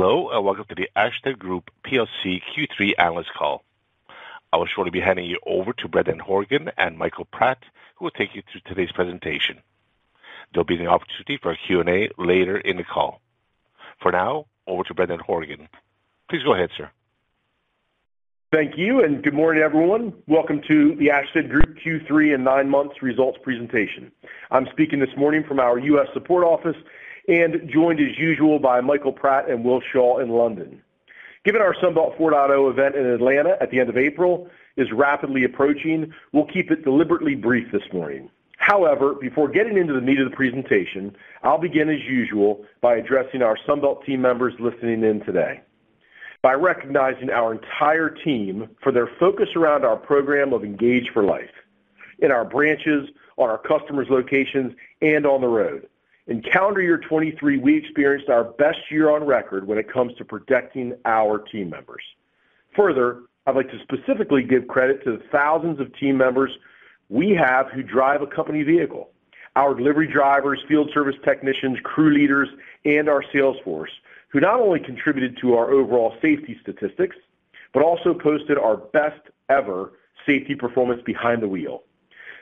Hello, and welcome to the Ashtead Group plc Q3 Analyst call. I will shortly be handing you over to Brendan Horgan and Michael Pratt, who will take you through today's presentation. There'll be an opportunity for a Q&A later in the call. For now, over to Brendan Horgan. Please go ahead, sir. Thank you, and good morning, everyone. Welcome to the Ashtead Group Q3 and 9 months results presentation. I'm speaking this morning from our U.S. support office, and joined as usual by Michael Pratt and Will Shaw in London. Given our Sunbelt 4.0 event in Atlanta at the end of April is rapidly approaching, we'll keep it deliberately brief this morning. However, before getting into the meat of the presentation, I'll begin as usual by addressing our Sunbelt team members listening in today. By recognizing our entire team for their focus around our program of Engage for Life, in our branches, on our customers' locations, and on the road, in calendar year 2023 we experienced our best year on record when it comes to protecting our team members. Further, I'd like to specifically give credit to the thousands of team members we have who drive a company vehicle, our delivery drivers, field service technicians, crew leaders, and our sales force, who not only contributed to our overall safety statistics but also posted our best-ever safety performance behind the wheel.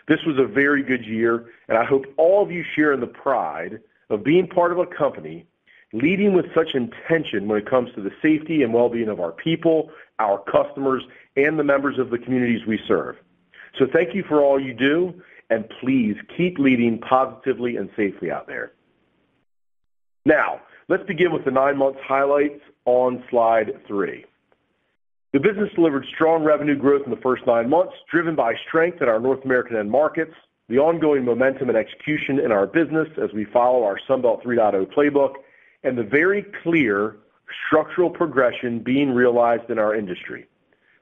This was a very good year, and I hope all of you share in the pride of being part of a company leading with such intention when it comes to the safety and well-being of our people, our customers, and the members of the communities we serve. So thank you for all you do, and please keep leading positively and safely out there. Now, let's begin with the 9 months highlights on slide 3. The business delivered strong revenue growth in the first nine months, driven by strength in our North American end markets, the ongoing momentum and execution in our business as we follow our Sunbelt 3.0 playbook, and the very clear structural progression being realized in our industry.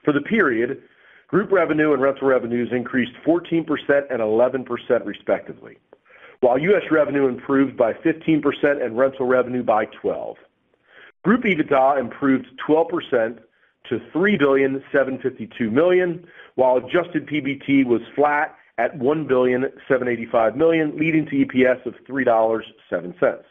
For the period, group revenue and rental revenues increased 14% and 11% respectively, while U.S. revenue improved by 15% and rental revenue by 12%. Group EBITDA improved 12% to $3,752 million, while adjusted PBT was flat at $1,785 million, leading to EPS of $3.07.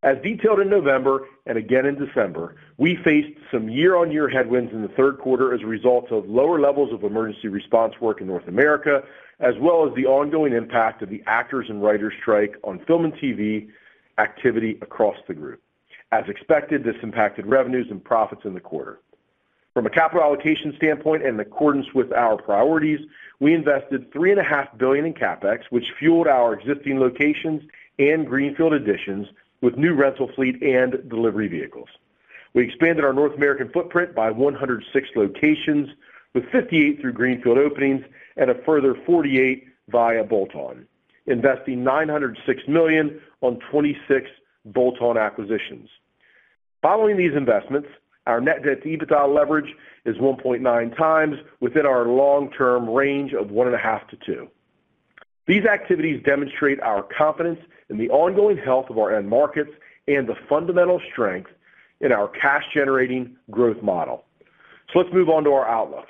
As detailed in November and again in December, we faced some year-on-year headwinds in the third quarter as a result of lower levels of emergency response work in North America, as well as the ongoing impact of the actors' and writers' strike on film and TV activity across the group. As expected, this impacted revenues and profits in the quarter. From a capital allocation standpoint and in accordance with our priorities, we invested $3.5 billion in CapEx, which fueled our existing locations and Greenfield additions with new rental fleet and delivery vehicles. We expanded our North American footprint by 106 locations, with 58 through Greenfield openings and a further 48 via bolt-on, investing $906 million on 26 bolt-on acquisitions. Following these investments, our net debt to EBITDA leverage is 1.9 times within our long-term range of 1.5-2. These activities demonstrate our confidence in the ongoing health of our end markets and the fundamental strength in our cash-generating growth model. So let's move on to our outlook.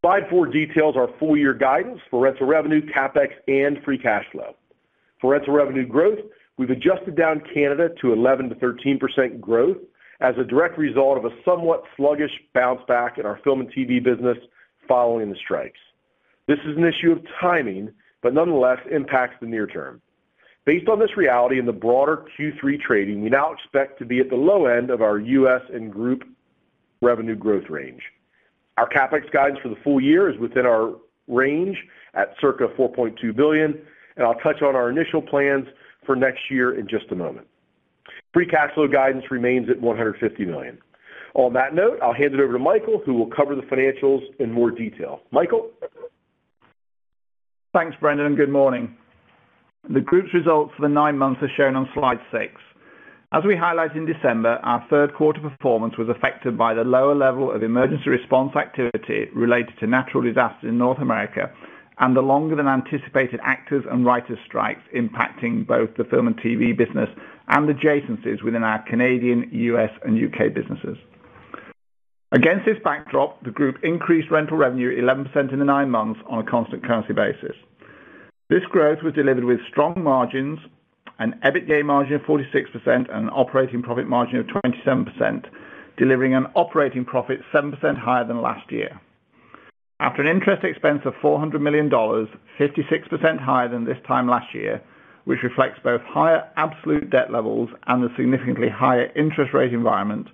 Slide 4 details our full-year guidance for rental revenue, CapEx, and free cash flow. For rental revenue growth, we've adjusted down Canada to 11%-13% growth as a direct result of a somewhat sluggish bounce back in our film and TV business following the strikes. This is an issue of timing but nonetheless impacts the near term. Based on this reality and the broader Q3 trading, we now expect to be at the low end of our U.S. and group revenue growth range. Our CapEx guidance for the full year is within our range at circa $4.2 billion, and I'll touch on our initial plans for next year in just a moment. Free cash flow guidance remains at $150 million. On that note, I'll hand it over to Michael, who will cover the financials in more detail. Michael? Thanks, Brendan, and good morning. The group's results for the 9 months are shown on slide 6. As we highlighted in December, our third quarter performance was affected by the lower level of emergency response activity related to natural disasters in North America and the longer-than-anticipated actors' and writers' strikes impacting both the film and TV business and adjacencies within our Canadian, U.S., and U.K. businesses. Against this backdrop, the group increased rental revenue 11% in the 9 months on a constant currency basis. This growth was delivered with strong margins, an EBITDA margin of 46% and an operating profit margin of 27%, delivering an operating profit 7% higher than last year. After an interest expense of $400 million, 56% higher than this time last year, which reflects both higher absolute debt levels and a significantly higher interest rate environment,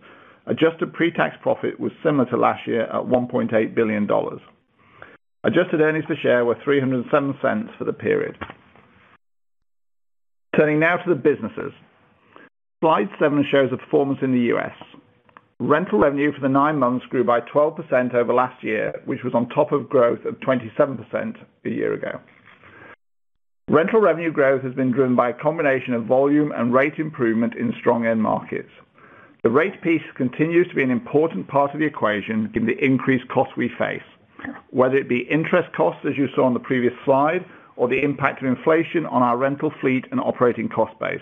adjusted pre-tax profit was similar to last year at $1.8 billion. Adjusted earnings per share were $3.07 for the period. Turning now to the businesses. Slide 7 shows the performance in the U.S. Rental revenue for the nine months grew by 12% over last year, which was on top of growth of 27% a year ago. Rental revenue growth has been driven by a combination of volume and rate improvement in strong end markets. The rate piece continues to be an important part of the equation given the increased costs we face, whether it be interest costs as you saw on the previous slide or the impact of inflation on our rental fleet and operating cost base.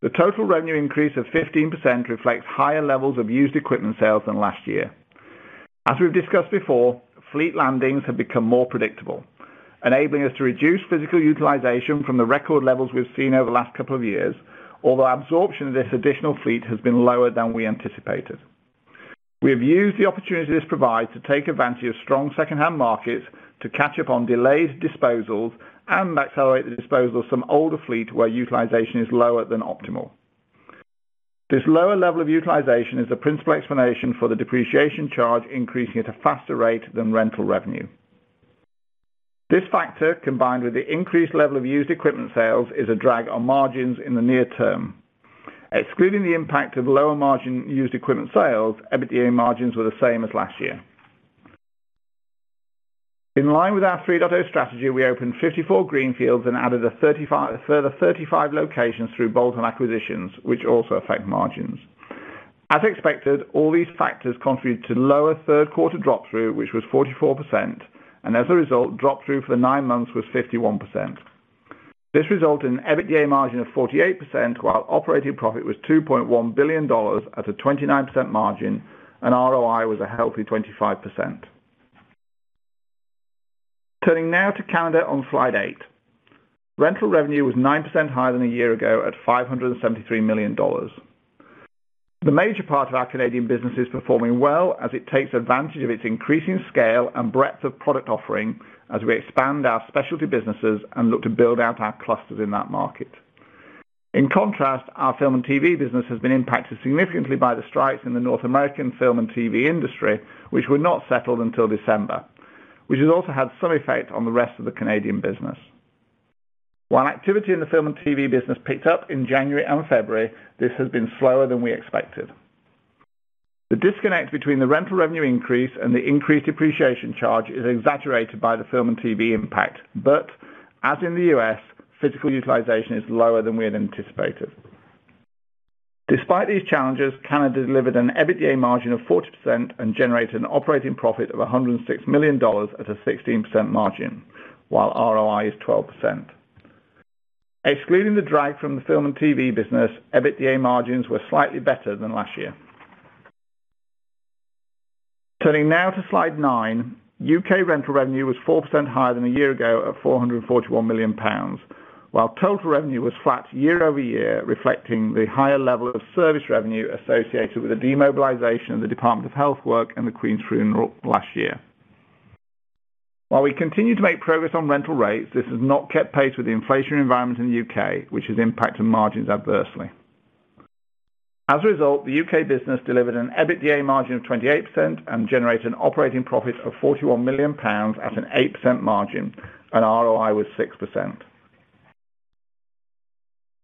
The total revenue increase of 15% reflects higher levels of used equipment sales than last year. As we've discussed before, fleet landings have become more predictable, enabling us to reduce physical utilization from the record levels we've seen over the last couple of years, although absorption of this additional fleet has been lower than we anticipated. We have used the opportunity this provides to take advantage of strong second-hand markets to catch up on delayed disposals and accelerate the disposal of some older fleet where utilization is lower than optimal. This lower level of utilization is the principal explanation for the depreciation charge increasing at a faster rate than rental revenue. This factor, combined with the increased level of used equipment sales, is a drag on margins in the near term. Excluding the impact of lower margin used equipment sales, EBITDA margins were the same as last year. In line with our 3.0 strategy, we opened 54 greenfields and added further 35 locations through bolt-on acquisitions, which also affect margins. As expected, all these factors contributed to lower third quarter drop-through, which was 44%, and as a result, drop-through for the 9 months was 51%. This resulted in an EBITDA margin of 48% while operating profit was $2.1 billion at a 29% margin, and ROI was a healthy 25%. Turning now to Canada on slide 8. Rental revenue was 9% higher than a year ago at $573 million. The major part of our Canadian business is performing well as it takes advantage of its increasing scale and breadth of product offering as we expand our specialty businesses and look to build out our clusters in that market. In contrast, our film and TV business has been impacted significantly by the strikes in the North American film and TV industry, which were not settled until December, which has also had some effect on the rest of the Canadian business. While activity in the film and TV business picked up in January and February, this has been slower than we expected. The disconnect between the rental revenue increase and the increased depreciation charge is exaggerated by the film and TV impact, but as in the U.S., physical utilization is lower than we had anticipated. Despite these challenges, Canada delivered an EBITDA margin of 40% and generated an operating profit of $106 million at a 16% margin, while ROI is 12%. Excluding the drag from the film and TV business, EBITDA margins were slightly better than last year. Turning now to slide 9. U.K. Rental revenue was 4% higher than a year ago at 441 million pounds, while total revenue was flat year-over-year, reflecting the higher level of service revenue associated with the demobilization of the Department of Health work and the Queen's Funeral last year. While we continue to make progress on rental rates, this has not kept pace with the inflationary environment in the U.K., which has impacted margins adversely. As a result, the U.K. business delivered an EBITDA margin of 28% and generated an operating profit of 41 million pounds at an 8% margin, and ROI was 6%.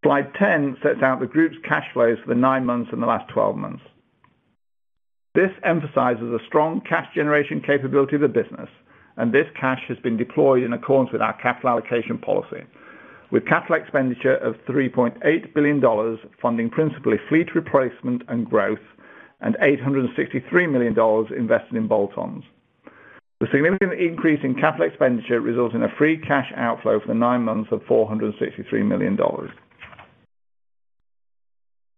Slide 10 sets out the group's cash flows for the 9 months and the last 12 months. This emphasizes the strong cash generation capability of the business, and this cash has been deployed in accordance with our capital allocation policy, with capital expenditure of $3.8 billion funding principally fleet replacement and growth and $863 million invested in bolt-ons. The significant increase in capital expenditure results in a free cash outflow for the 9 months of $463 million.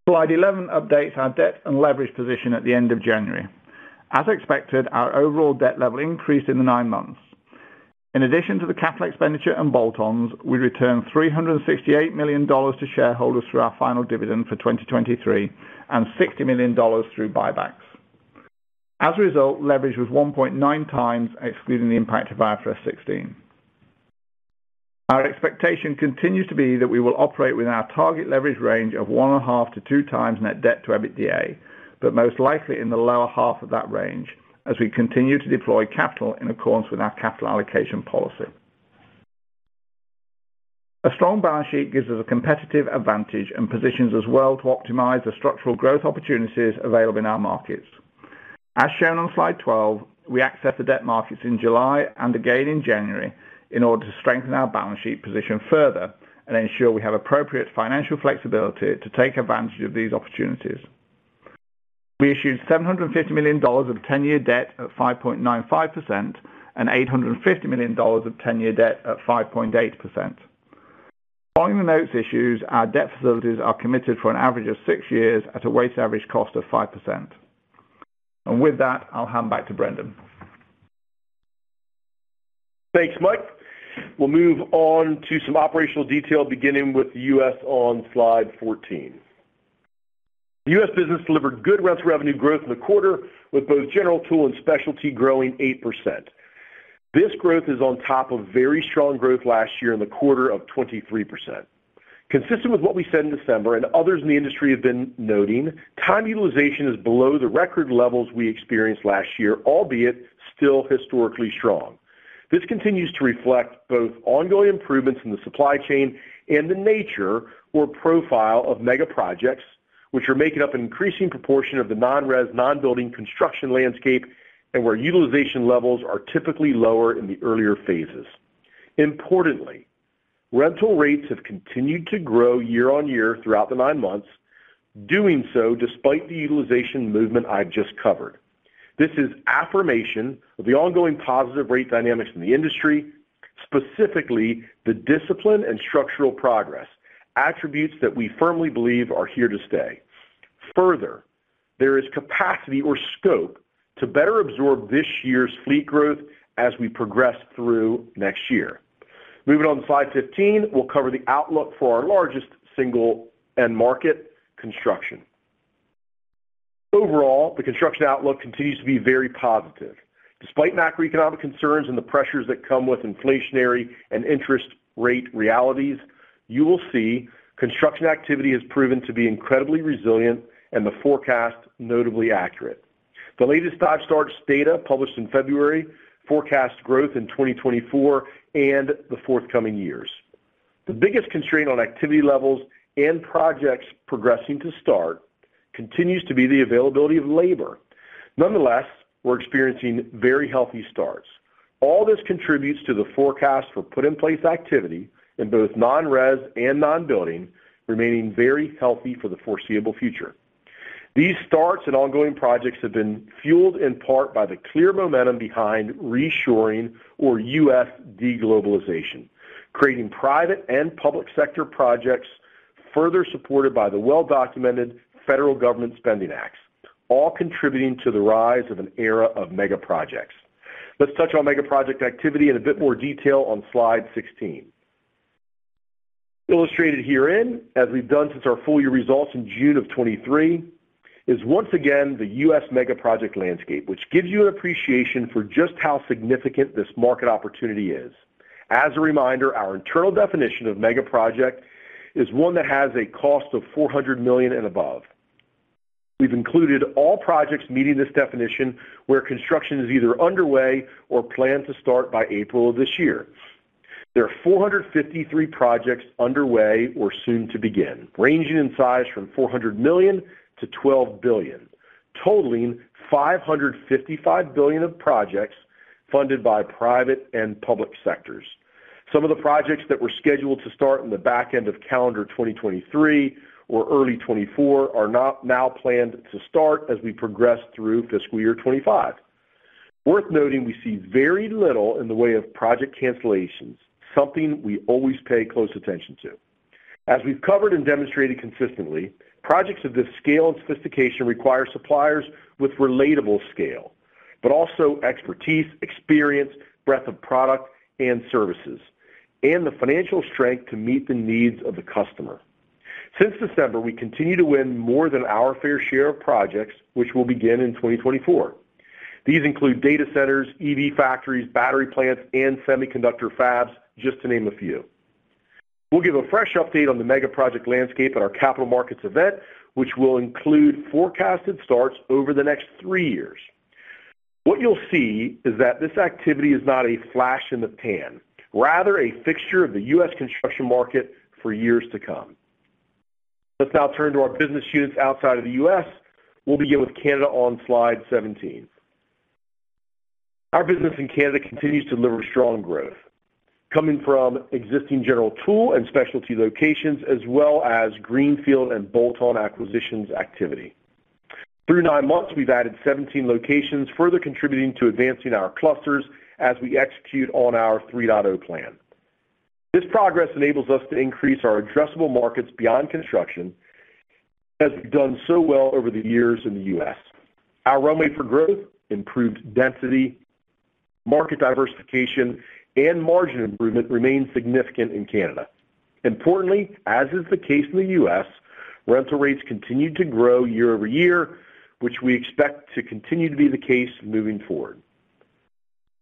Slide 11 updates our debt and leverage position at the end of January. As expected, our overall debt level increased in the 9 months. In addition to the capital expenditure and bolt-ons, we returned $368 million to shareholders through our final dividend for 2023 and $60 million through buybacks. As a result, leverage was 1.9 times, excluding the impact of IFRS 16. Our expectation continues to be that we will operate within our target leverage range of 1.5-2 times net debt to EBITDA, but most likely in the lower half of that range as we continue to deploy capital in accordance with our capital allocation policy. A strong balance sheet gives us a competitive advantage and positions us well to optimize the structural growth opportunities available in our markets. As shown on slide 12, we accessed the debt markets in July and again in January in order to strengthen our balance sheet position further and ensure we have appropriate financial flexibility to take advantage of these opportunities. We issued $750 million of 10-year debt at 5.95% and $850 million of 10-year debt at 5.8%. Following the notes issued, our debt facilities are committed for an average of 6 years at a weighted-averaged cost of 5%. With that, I'll hand back to Brendan. Thanks, Mike. We'll move on to some operational detail, beginning with the U.S. on slide 14. The U.S. business delivered good rental revenue growth in the quarter, with both General Tool and Specialty growing 8%. This growth is on top of very strong growth last year in the quarter of 23%. Consistent with what we said in December and others in the industry have been noting, time utilization is below the record levels we experienced last year, albeit still historically strong. This continues to reflect both ongoing improvements in the supply chain and the nature or profile of megaprojects, which are making up an increasing proportion of the non-res/non-building construction landscape and where utilization levels are typically lower in the earlier phases. Importantly, rental rates have continued to grow year on year throughout the nine months, doing so despite the utilization movement I've just covered. This is affirmation of the ongoing positive rate dynamics in the industry, specifically the discipline and structural progress, attributes that we firmly believe are here to stay. Further, there is capacity or scope to better absorb this year's fleet growth as we progress through next year. Moving on to Slide 15, we'll cover the outlook for our largest single end market, construction. Overall, the construction outlook continues to be very positive. Despite macroeconomic concerns and the pressures that come with inflationary and interest rate realities, you will see construction activity has proven to be incredibly resilient and the forecast notably accurate. The latest starts data published in February forecasts growth in 2024 and the forthcoming years. The biggest constraint on activity levels and projects progressing to start continues to be the availability of labor. Nonetheless, we're experiencing very healthy starts. All this contributes to the forecast for put-in-place activity in both non-res/non-building remaining very healthy for the foreseeable future. These starts and ongoing projects have been fueled in part by the clear momentum behind reshoring or U.S. deglobalization, creating private and public sector projects further supported by the well-documented Federal Government Spending Act, all contributing to the rise of an era of megaprojects. Let's touch on megaproject activity in a bit more detail on slide 16. Illustrated herein as we've done since our full-year results in June of 2023 is once again the U.S. megaproject landscape, which gives you an appreciation for just how significant this market opportunity is. As a reminder, our internal definition of megaproject is one that has a cost of $400 million and above. We've included all projects meeting this definition where construction is either underway or planned to start by April of this year. There are 453 projects underway or soon to begin, ranging in size from $400 million-$12 billion, totaling $555 billion of projects funded by private and public sectors. Some of the projects that were scheduled to start in the back end of calendar 2023 or early 2024 are now planned to start as we progress through fiscal year 2025. Worth noting, we see very little in the way of project cancellations, something we always pay close attention to. As we've covered and demonstrated consistently, projects of this scale and sophistication require suppliers with relatable scale, but also expertise, experience, breadth of product and services, and the financial strength to meet the needs of the customer. Since December, we continue to win more than our fair share of projects, which will begin in 2024. These include data centers, EV factories, battery plants, and semiconductor fabs, just to name a few. We'll give a fresh update on the megaproject landscape at our Capital Markets event, which will include forecasted starts over the next 3 years. What you'll see is that this activity is not a flash in the pan, rather a fixture of the U.S. construction market for years to come. Let's now turn to our business units outside of the U.S. We'll begin with Canada on slide 17. Our business in Canada continues to deliver strong growth, coming from existing General Tool and Specialty locations as well as greenfield and bolt-on acquisitions activity. Through nine months, we've added 17 locations, further contributing to advancing our clusters as we execute on our 3.0 plan. This progress enables us to increase our addressable markets beyond construction as we've done so well over the years in the U.S. Our runway for growth, improved density, market diversification, and margin improvement remain significant in Canada. Importantly, as is the case in the U.S., rental rates continue to grow year-over-year, which we expect to continue to be the case moving forward.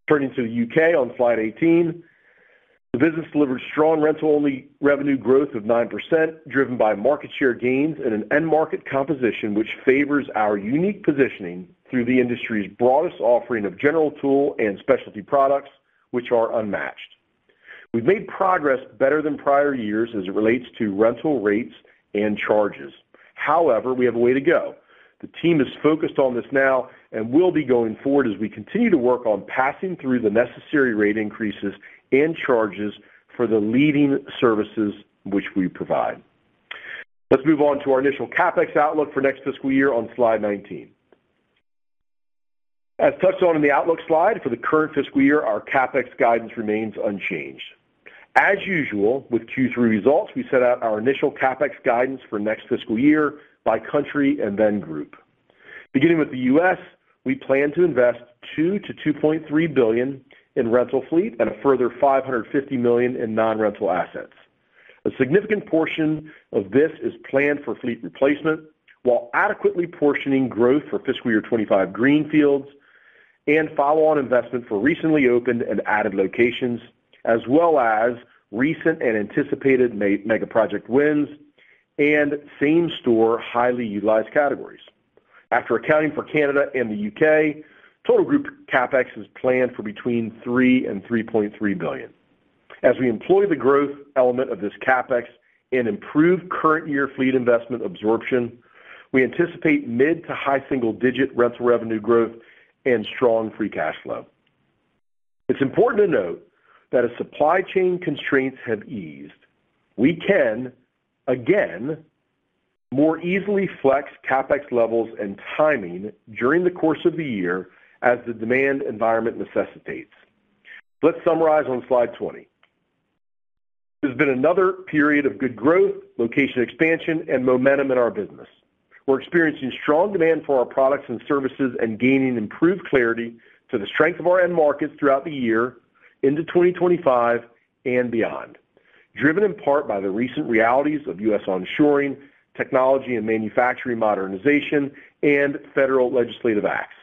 Turning to the U.K. on slide 18. The business delivered strong rental-only revenue growth of 9%, driven by market share gains and an end market composition which favors our unique positioning through the industry's broadest offering of General Tool and Specialty products, which are unmatched. We've made progress better than prior years as it relates to rental rates and charges. However, we have a way to go. The team is focused on this now and will be going forward as we continue to work on passing through the necessary rate increases and charges for the leading services which we provide. Let's move on to our initial CapEx outlook for next fiscal year on slide 19. As touched on in the outlook slide for the current fiscal year, our CapEx guidance remains unchanged. As usual, with Q3 results, we set out our initial CapEx guidance for next fiscal year by country and then group. Beginning with the U.S., we plan to invest $2-$2.3 billion in rental fleet and a further $550 million in non-rental assets. A significant portion of this is planned for fleet replacement while adequately portioning growth for fiscal year 2025 greenfields and follow-on investment for recently opened and added locations, as well as recent and anticipated megaproject wins and same-store highly utilized categories. After accounting for Canada and the U.K., total group CapEx is planned for between $3-$3.3 billion. As we employ the growth element of this CapEx and improve current year fleet investment absorption, we anticipate mid- to high single-digit rental revenue growth and strong free cash flow. It's important to note that as supply chain constraints have eased, we can, again, more easily flex CapEx levels and timing during the course of the year as the demand environment necessitates. Let's summarize on slide 20. There's been another period of good growth, location expansion, and momentum in our business. We're experiencing strong demand for our products and services and gaining improved clarity to the strength of our end markets throughout the year into 2025 and beyond, driven in part by the recent realities of U.S. onshoring, technology and manufacturing modernization, and federal legislative acts.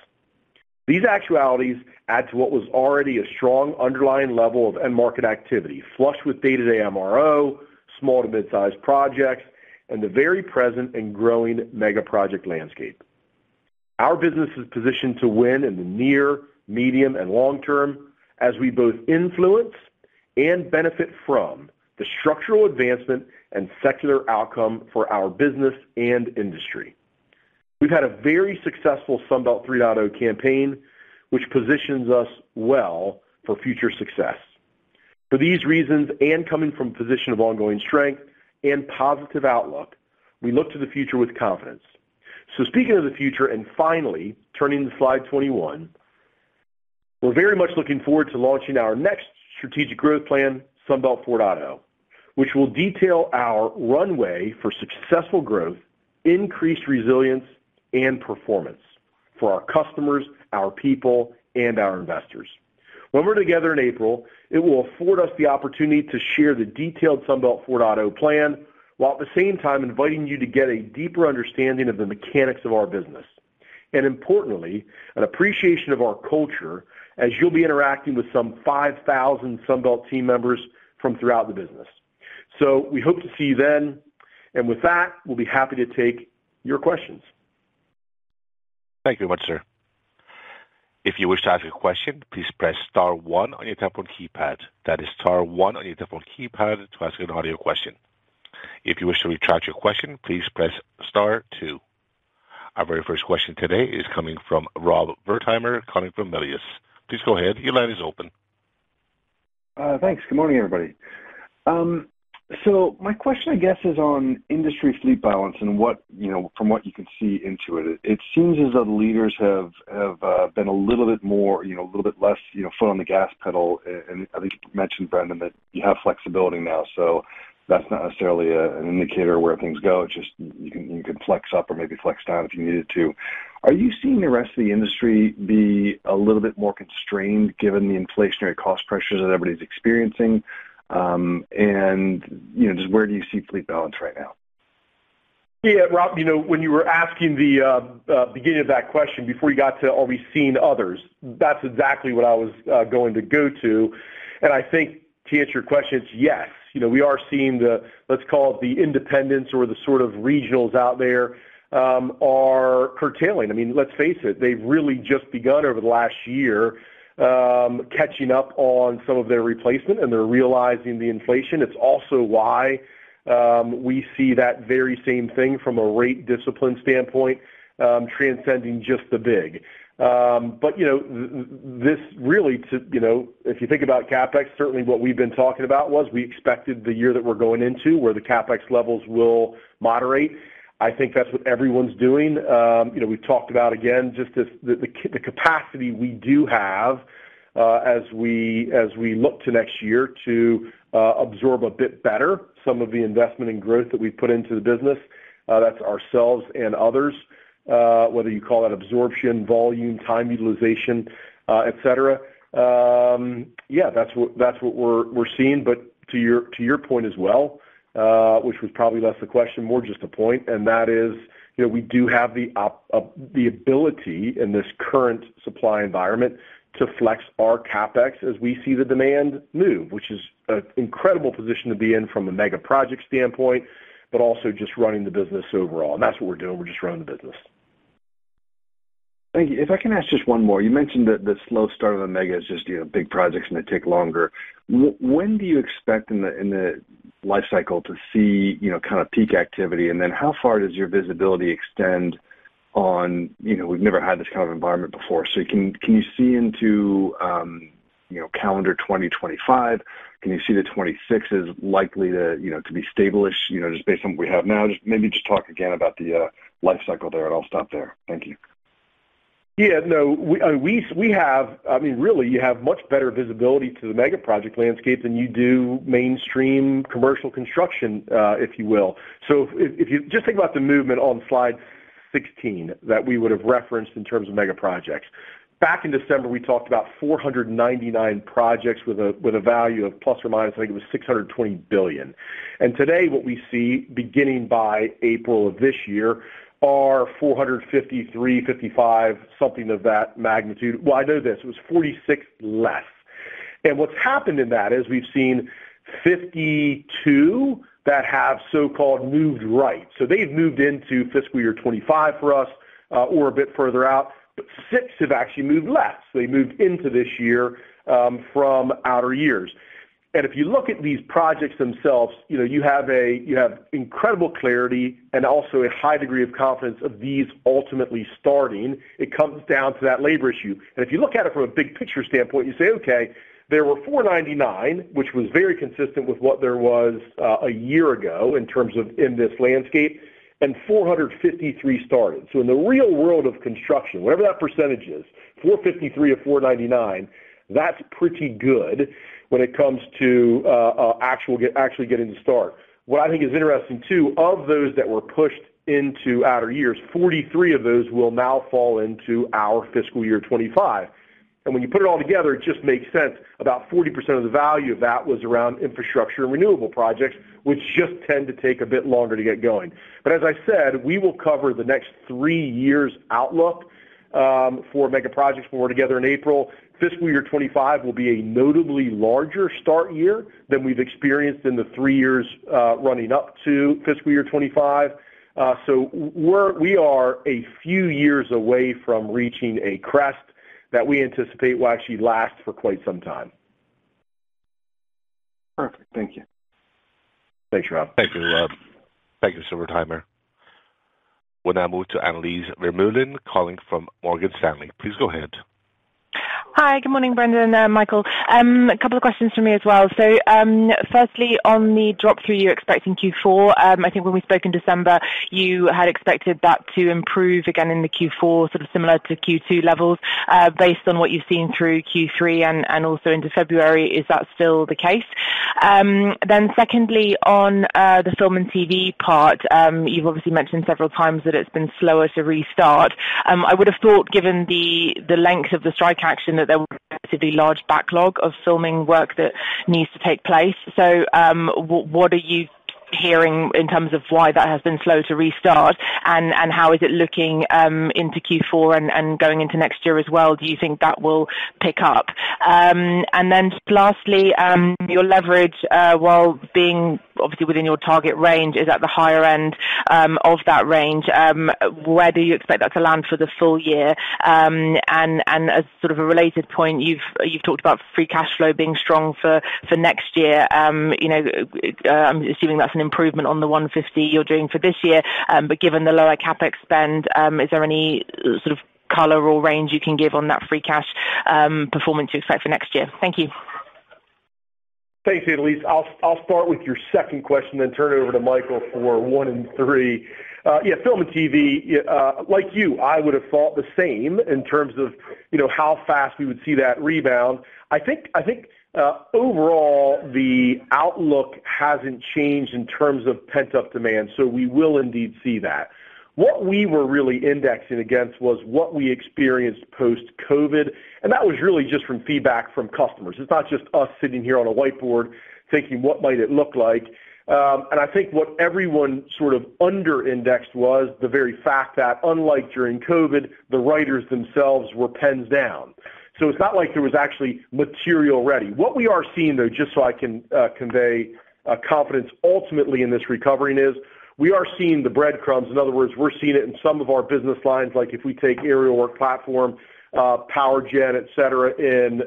These actualities add to what was already a strong underlying level of end market activity, flush with day-to-day MRO, small to mid-sized projects, and the very present and growing megaproject landscape. Our business is positioned to win in the near, medium, and long term as we both influence and benefit from the structural advancement and secular outcome for our business and industry. We've had a very successful Sunbelt 3.0 campaign, which positions us well for future success. For these reasons and coming from a position of ongoing strength and positive outlook, we look to the future with confidence. So speaking of the future and finally turning to slide 21. We're very much looking forward to launching our next strategic growth plan, Sunbelt 4.0, which will detail our runway for successful growth, increased resilience, and performance for our customers, our people, and our investors. When we're together in April, it will afford us the opportunity to share the detailed Sunbelt 4.0 plan while at the same time inviting you to get a deeper understanding of the mechanics of our business and, importantly, an appreciation of our culture as you'll be interacting with some 5,000 Sunbelt team members from throughout the business. So we hope to see you then. And with that, we'll be happy to take your questions. Thank you very much, sir. If you wish to ask a question, please press star 1 on your telephone keypad. That is star 1 on your telephone keypad to ask an audio question. If you wish to retract your question, please press star 2. Our very first question today is coming from Rob Wertheimer calling from Melius. Please go ahead. Your line is open. Thanks. Good morning, everybody. My question, I guess, is on industry fleet balance and from what you can see into it. It seems as though the leaders have been a little bit more a little bit less foot on the gas pedal. I think you mentioned, Brendan, that you have flexibility now. That's not necessarily an indicator of where things go. Just you can flex up or maybe flex down if you needed to. Are you seeing the rest of the industry be a little bit more constrained given the inflationary cost pressures that everybody's experiencing? And just where do you see fleet balance right now? Yeah, Rob, when you were asking the beginning of that question before you got to, "Are we seeing others?" That's exactly what I was going to go to. I think to answer your question, it's yes. We are seeing the, let's call it, the independents or the sort of regionals out there are curtailing. I mean, let's face it. They've really just begun over the last year catching up on some of their replacement, and they're realizing the inflation. It's also why we see that very same thing from a rate discipline standpoint transcending just the big. But this really, if you think about CapEx, certainly what we've been talking about was we expected the year that we're going into where the CapEx levels will moderate. I think that's what everyone's doing. We've talked about, again, just the capacity we do have as we look to next year to absorb a bit better some of the investment and growth that we put into the business. That's ourselves and others, whether you call that absorption, volume, time utilization, etc. Yeah, that's what we're seeing. But to your point as well, which was probably less a question, more just a point, and that is we do have the ability in this current supply environment to flex our CapEx as we see the demand move, which is an incredible position to be in from a megaproject standpoint, but also just running the business overall. And that's what we're doing. We're just running the business. Thank you. If I can ask just one more. You mentioned that the slow start of a mega is just big projects, and they take longer. When do you expect in the lifecycle to see kind of peak activity? And then how far does your visibility extend on we've never had this kind of environment before. So can you see into calendar 2025? Can you see the 2026 is likely to be stable just based on what we have now? Maybe just talk again about the lifecycle there, and I'll stop there. Thank you. Yeah. No. I mean, really, you have much better visibility to the megaproject landscape than you do mainstream commercial construction, if you will. So just think about the movement on slide 16 that we would have referenced in terms of megaprojects. Back in December, we talked about 499 projects with a value of ±, I think it was $620 billion. And today, what we see beginning by April of this year are 453, 55, something of that magnitude. Well, I know this. It was 46 less. And what's happened in that is we've seen 52 that have so-called moved right. So they've moved into fiscal year 2025 for us or a bit further out. But six have actually moved less. They moved into this year from outer years. If you look at these projects themselves, you have incredible clarity and also a high degree of confidence of these ultimately starting. It comes down to that labour issue. If you look at it from a big picture standpoint, you say, "Okay. There were 499, which was very consistent with what there was a year ago in terms of in this landscape, and 453 started." In the real world of construction, whatever that percentage is, 453 or 499, that's pretty good when it comes to actually getting to start. What I think is interesting, too, of those that were pushed into outer years, 43 of those will now fall into our fiscal year 2025. When you put it all together, it just makes sense. About 40% of the value of that was around infrastructure and renewable projects, which just tend to take a bit longer to get going. But as I said, we will cover the next three years' outlook for megaprojects when we're together in April. Fiscal year 2025 will be a notably larger start year than we've experienced in the three years running up to fiscal year 2025. So we are a few years away from reaching a crest that we anticipate will actually last for quite some time. Perfect. Thank you. Thanks, Rob. Thank you, Rob. Thank you, Rob Wertheimer. We'll now move to Annelies Vermeulen calling from Morgan Stanley. Please go ahead. Hi. Good morning, Brendan and Michael. A couple of questions for me as well. So firstly, on the drop-through you're expecting Q4, I think when we spoke in December, you had expected that to improve again in the Q4, sort of similar to Q2 levels based on what you've seen through Q3 and also into February. Is that still the case? Then secondly, on the film and TV part, you've obviously mentioned several times that it's been slower to restart. I would have thought, given the length of the strike action, that there would be a relatively large backlog of filming work that needs to take place. So what are you hearing in terms of why that has been slow to restart, and how is it looking into Q4 and going into next year as well? Do you think that will pick up? Then lastly, your leverage, while being obviously within your target range, is at the higher end of that range. Where do you expect that to land for the full year? As sort of a related point, you've talked about free cash flow being strong for next year. I'm assuming that's an improvement on the $150 you're doing for this year. Given the lower CapEx spend, is there any sort of color or range you can give on that free cash performance you expect for next year? Thank you. Thank you, Annelies. I'll start with your second question, then turn it over to Michael for one and three. Yeah, film and TV, like you, I would have thought the same in terms of how fast we would see that rebound. I think overall, the outlook hasn't changed in terms of pent-up demand. So we will indeed see that. What we were really indexing against was what we experienced post-COVID. And that was really just from feedback from customers. It's not just us sitting here on a whiteboard thinking, "What might it look like?" And I think what everyone sort of under-indexed was the very fact that, unlike during COVID, the writers themselves were pens down. So it's not like there was actually material ready. What we are seeing, though, just so I can convey confidence ultimately in this recovering is we are seeing the breadcrumbs. In other words, we're seeing it in some of our business lines, like if we take aerial work platform, PowerGen, etc., in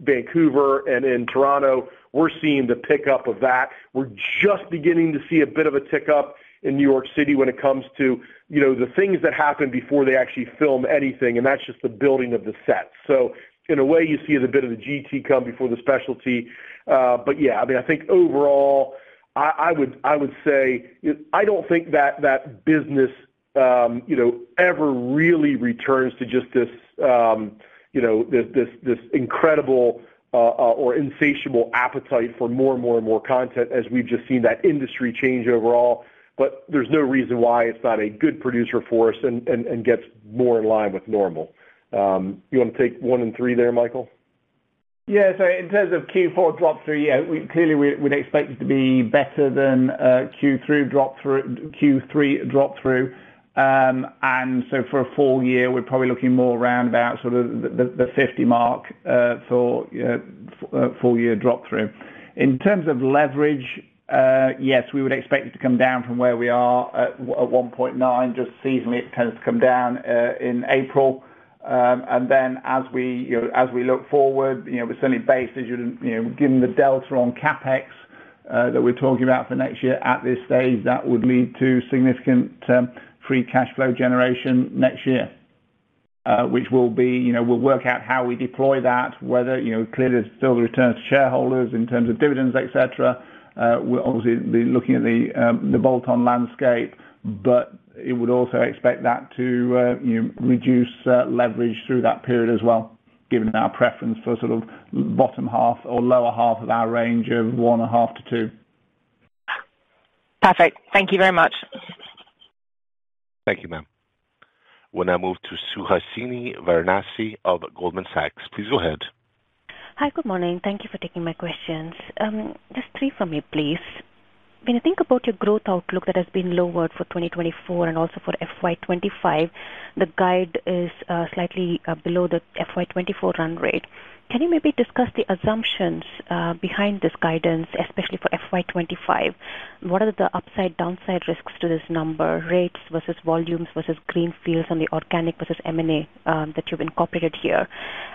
Vancouver and in Toronto, we're seeing the pickup of that. We're just beginning to see a bit of a tick up in New York City when it comes to the things that happen before they actually film anything. And that's just the building of the sets. So in a way, you see the bit of the GT come before the Specialty. But yeah, I mean, I think overall, I would say I don't think that business ever really returns to just this incredible or insatiable appetite for more and more and more content as we've just seen that industry change overall. But there's no reason why it's not a good producer for us and gets more in line with normal. You want to take 1 and 3 there, Michael? Yeah. So in terms of Q4 drop-through, yeah, clearly, we'd expect it to be better than Q3 drop-through. And so for a full year, we're probably looking more around about sort of the 50% mark for full-year drop-through. In terms of leverage, yes, we would expect it to come down from where we are at 1.9. Just seasonally, it tends to come down in April. And then as we look forward, we're certainly based, as you're given the delta on CapEx that we're talking about for next year at this stage, that would lead to significant free cash flow generation next year, which will be we'll work out how we deploy that, whether clearly, it's still the return to shareholders in terms of dividends, etc. We'll obviously be looking at the bolt-on landscape. But it would also expect that to reduce leverage through that period as well, given our preference for sort of bottom half or lower half of our range of 1.5-2. Perfect. Thank you very much. Thank you, ma'am. We'll now move to Suhasini Varanasi of Goldman Sachs. Please go ahead. Hi. Good morning. Thank you for taking my questions. Just three for me, please. When you think about your growth outlook that has been lowered for 2024 and also for FY25, the guide is slightly below the FY24 run rate. Can you maybe discuss the assumptions behind this guidance, especially for FY25? What are the upside, downside risks to this number, rates versus volumes versus greenfields and the organic versus M&A that you've incorporated here?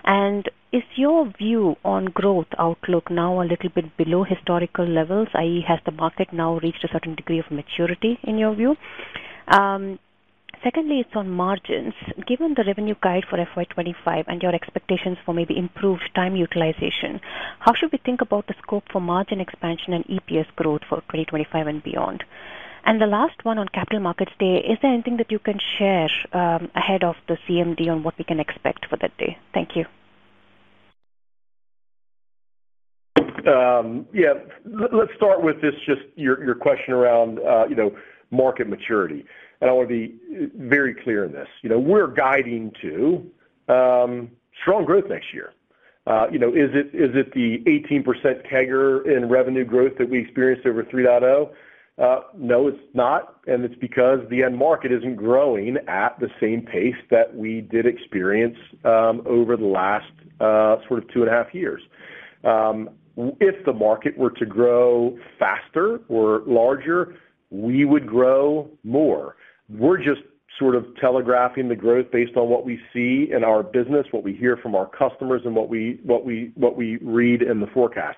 And is your view on growth outlook now a little bit below historical levels, i.e., has the market now reached a certain degree of maturity in your view? Secondly, it's on margins. Given the revenue guide for FY25 and your expectations for maybe improved time utilization, how should we think about the scope for margin expansion and EPS growth for 2025 and beyond? The last one on Capital Markets Day, is there anything that you can share ahead of the CMD on what we can expect for that day? Thank you. Yeah. Let's start with just your question around market maturity. And I want to be very clear in this. We're guiding to strong growth next year. Is it the 18% kicker in revenue growth that we experienced over 3.0? No, it's not. And it's because the end market isn't growing at the same pace that we did experience over the last sort of two and a half years. If the market were to grow faster or larger, we would grow more. We're just sort of telegraphing the growth based on what we see in our business, what we hear from our customers, and what we read in the forecast.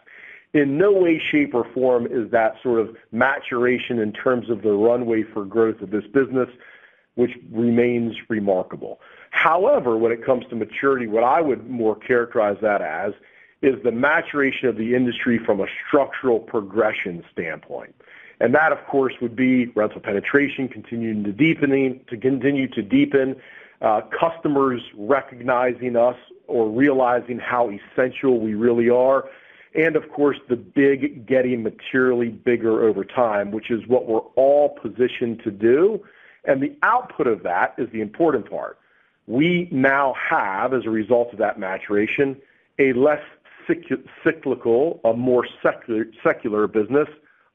In no way, shape, or form is that sort of maturation in terms of the runway for growth of this business, which remains remarkable. However, when it comes to maturity, what I would more characterize that as is the maturation of the industry from a structural progression standpoint. And that, of course, would be rental penetration continuing to deepening, to continue to deepen, customers recognizing us or realizing how essential we really are, and of course, the big getting materially bigger over time, which is what we're all positioned to do. And the output of that is the important part. We now have, as a result of that maturation, a less cyclical, a more secular business,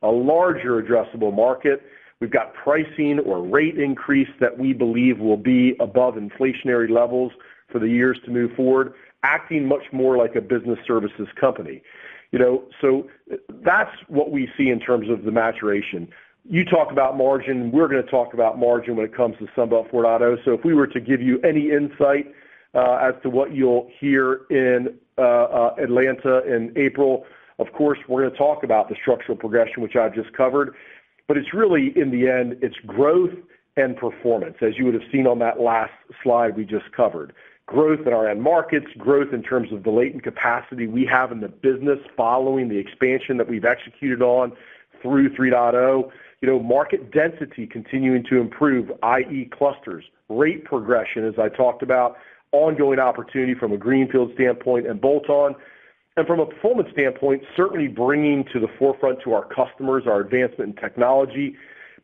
a larger addressable market. We've got pricing or rate increase that we believe will be above inflationary levels for the years to move forward, acting much more like a business services company. So that's what we see in terms of the maturation. You talk about margin. We're going to talk about margin when it comes to Sunbelt 4.0. So if we were to give you any insight as to what you'll hear in Atlanta in April, of course, we're going to talk about the structural progression, which I've just covered. But it's really, in the end, it's growth and performance, as you would have seen on that last slide we just covered. Growth in our end markets, growth in terms of the latent capacity we have in the business following the expansion that we've executed on through 3.0, market density continuing to improve, i.e., clusters, rate progression, as I talked about, ongoing opportunity from a greenfield standpoint and bolt-on. And from a performance standpoint, certainly bringing to the forefront to our customers our advancement in technology.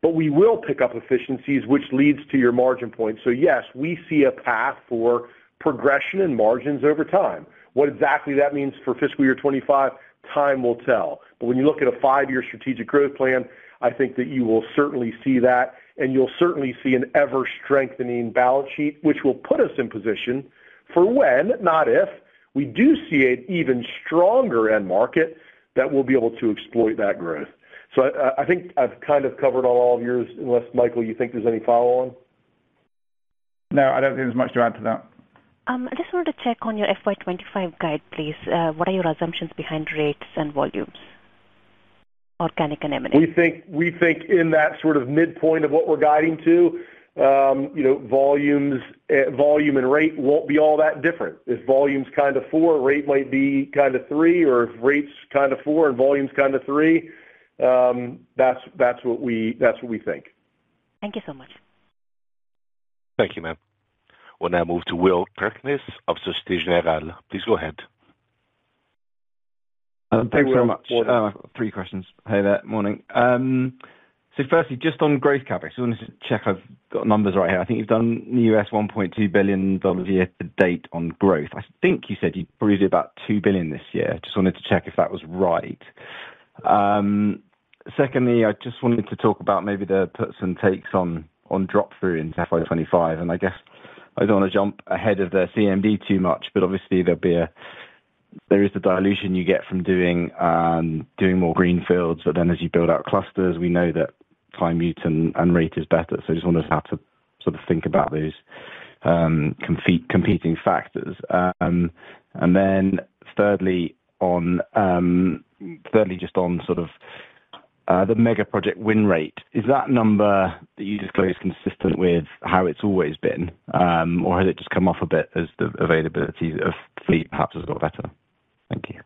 But we will pick up efficiencies, which leads to your margin point. So yes, we see a path for progression in margins over time. What exactly that means for fiscal year 2025, time will tell. But when you look at a five-year strategic growth plan, I think that you will certainly see that. And you'll certainly see an ever-strengthening balance sheet, which will put us in position for when, not if, we do see an even stronger end market that will be able to exploit that growth. So I think I've kind of covered all of yours, unless, Michael, you think there's any follow-on? No. I don't think there's much to add to that. I just wanted to check on your FY25 guide, please. What are your assumptions behind rates and volumes, organic and M&A? We think in that sort of midpoint of what we're guiding to, volume and rate won't be all that different. If volume's kind of four, rate might be kind of three. Or if rate's kind of four and volume's kind of three, that's what we think. Thank you so much. Thank you, ma'am. We'll now move to Will Kirkness of Société Générale. Please go ahead. Thanks very much. Three questions. Hey there. Morning. So firstly, just on growth capex, I just wanted to check I've got numbers right here. I think you've done the $1.2 billion a year to date on growth. I think you said you'd probably do about $2 billion this year. Just wanted to check if that was right. Secondly, I just wanted to talk about maybe the puts and takes on drop-through into FY25. And I guess I don't want to jump ahead of the CMD too much. But obviously, there is the dilution you get from doing more greenfields. But then as you build out clusters, we know that time utilization and rate is better. So I just wanted to have to sort of think about those competing factors. And then thirdly, just on sort of the megaproject win rate, is that number that you disclosed consistent with how it's always been? Or has it just come off a bit as the availability of fleet perhaps has got better? Thank you.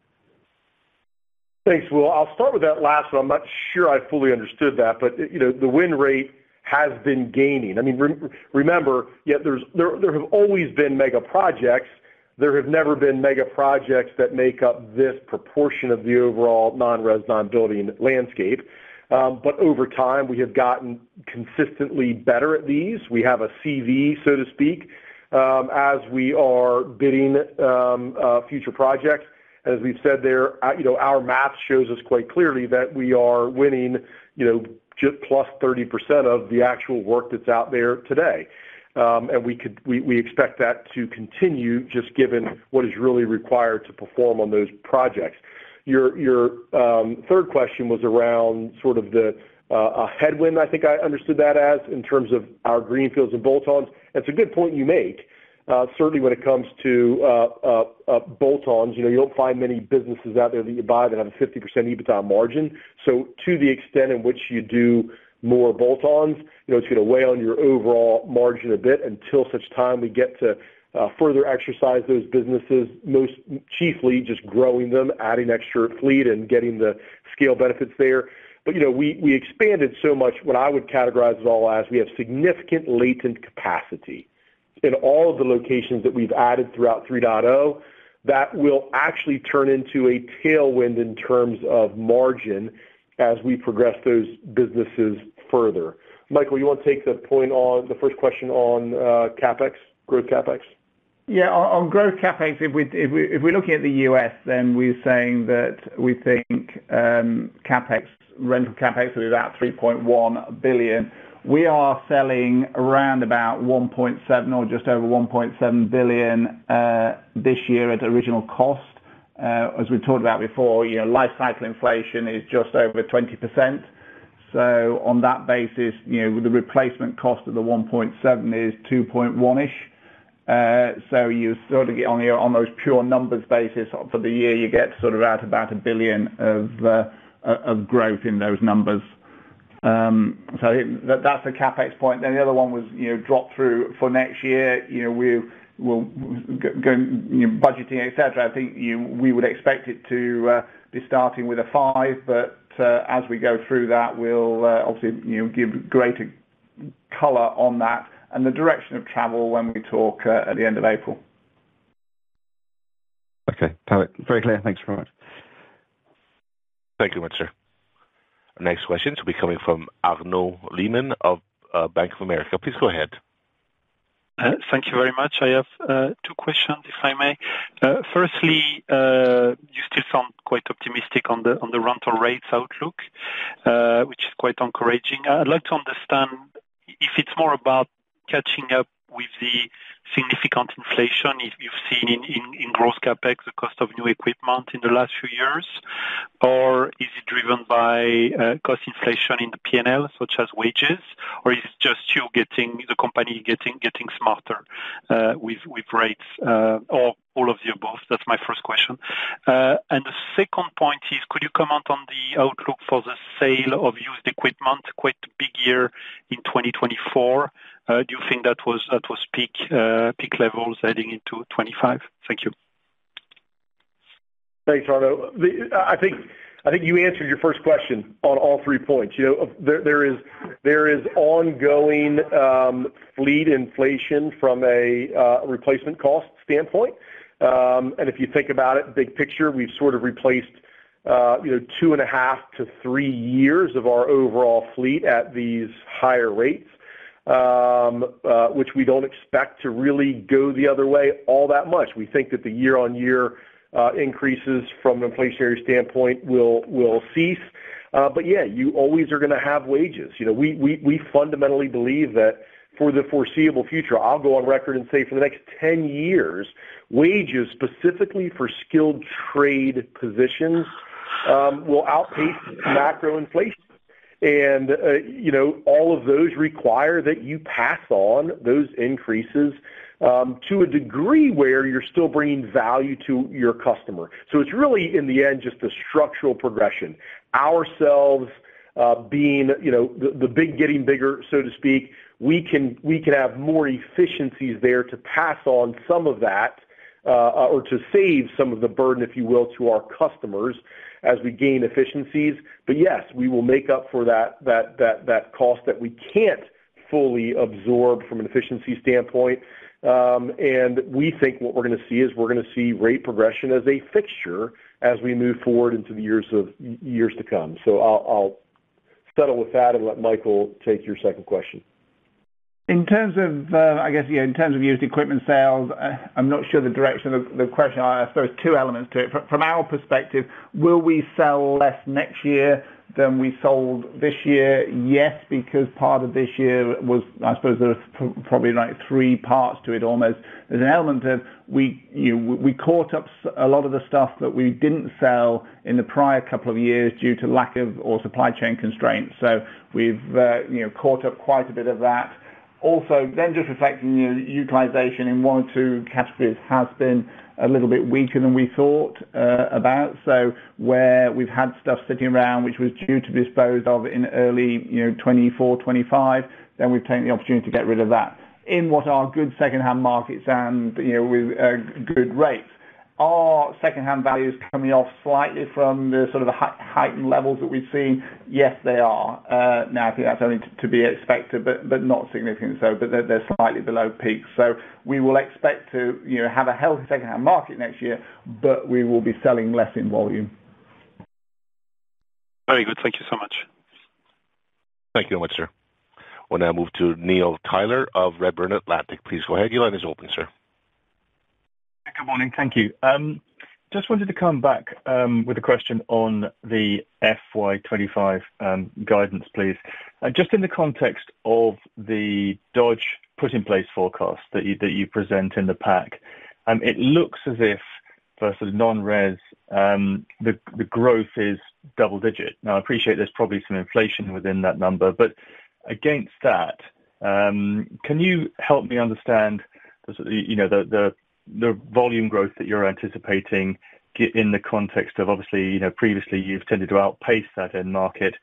Thanks, Will. I'll start with that last one. I'm not sure I fully understood that. But the win rate has been gaining. I mean, remember, yet there have always been megaprojects. There have never been megaprojects that make up this proportion of the overall non-res/non-building landscape. But over time, we have gotten consistently better at these. We have a CV, so to speak, as we are bidding future projects. And as we've said there, our math shows us quite clearly that we are winning just +30% of the actual work that's out there today. And we expect that to continue just given what is really required to perform on those projects. Your third question was around sort of a headwind, I think I understood that as, in terms of our greenfields and bolt-ons. And it's a good point you make. Certainly, when it comes to bolt-ons, you don't find many businesses out there that you buy that have a 50% EBITDA margin. So to the extent in which you do more bolt-ons, it's going to weigh on your overall margin a bit until such time we get to further exercise those businesses, most chiefly just growing them, adding extra fleet, and getting the scale benefits there. But we expanded so much what I would categorise it all as we have significant latent capacity in all of the locations that we've added throughout 3.0 that will actually turn into a tailwind in terms of margin as we progress those businesses further. Michael, you want to take the first question on growth CapEx? Yeah. On growth CapEx, if we're looking at the US, then we're saying that we think rental CapEx, so we're at $3.1 billion. We are selling around about $1.7 billion or just over $1.7 billion this year at original cost. As we've talked about before, lifecycle inflation is just over 20%. So on that basis, the replacement cost of the $1.7 billion is $2.1-ish. So you sort of get on those pure numbers basis for the year, you get sort of out about $1 billion of growth in those numbers. So that's the CapEx point. Then the other one was drop-through for next year. We're budgeting, etc. I think we would expect it to be starting with a 5. But as we go through that, we'll obviously give greater color on that and the direction of travel when we talk at the end of April. Okay. Perfect. Very clear. Thanks very much. Thank you very much, sir. Our next question will be coming from Arnaud Lehmann of Bank of America. Please go ahead. Thank you very much. I have two questions, if I may. Firstly, you still sound quite optimistic on the rental rates outlook, which is quite encouraging. I'd like to understand if it's more about catching up with the significant inflation you've seen in growth CapEx, the cost of new equipment in the last few years, or is it driven by cost inflation in the P&L, such as wages? Or is it just the company getting smarter with rates or all of the above? That's my first question. And the second point is, could you comment on the outlook for the sale of used equipment quite big year in 2024? Do you think that was peak levels heading into 2025? Thank you. Thanks, Arnaud. I think you answered your first question on all three points. There is ongoing fleet inflation from a replacement cost standpoint. And if you think about it, big picture, we've sort of replaced 2.5-3 years of our overall fleet at these higher rates, which we don't expect to really go the other way all that much. We think that the year-on-year increases from an inflationary standpoint will cease. But yeah, you always are going to have wages. We fundamentally believe that for the foreseeable future, I'll go on record and say for the next 10 years, wages specifically for skilled trade positions will outpace macroinflation. And all of those require that you pass on those increases to a degree where you're still bringing value to your customer. So it's really, in the end, just a structural progression. Ourselves being the big getting bigger, so to speak, we can have more efficiencies there to pass on some of that or to save some of the burden, if you will, to our customers as we gain efficiencies. But yes, we will make up for that cost that we can't fully absorb from an efficiency standpoint. And we think what we're going to see is we're going to see rate progression as a fixture as we move forward into the years to come. So I'll settle with that and let Michael take your second question. In terms of, I guess, yeah, in terms of used equipment sales, I'm not sure the direction of the question. I suppose two elements to it. From our perspective, will we sell less next year than we sold this year? Yes, because part of this year was I suppose there were probably three parts to it almost. There's an element of we caught up a lot of the stuff that we didn't sell in the prior couple of years due to lack of or supply chain constraints. So we've caught up quite a bit of that. Also, then just reflecting utilization in one or two categories, has been a little bit weaker than we thought about. So where we've had stuff sitting around which was due to be disposed of in early 2024, 2025, then we've taken the opportunity to get rid of that in what are good second-hand markets and with good rates. Are second-hand values coming off slightly from the sort of heightened levels that we've seen? Yes, they are. Now, I think that's only to be expected, but not significantly so. But they're slightly below peak. So we will expect to have a healthy second-hand market next year, but we will be selling less in volume. Very good. Thank you so much. Thank you very much, sir. We'll now move to Neil Tyler of Redburn Atlantic. Please go ahead. Your line is open, sir. Good morning. Thank you. Just wanted to come back with a question on the FY25 guidance, please. Just in the context of the Dodge put-in-place forecast that you present in the pack, it looks as if for sort of non-res, the growth is double-digit. Now, I appreciate there's probably some inflation within that number. But against that, can you help me understand the volume growth that you're anticipating in the context of obviously, previously, you've tended to outpace that end market?